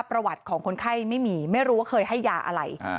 ประวัติของคนไข้ไม่มีไม่รู้ว่าเคยให้ยาอะไร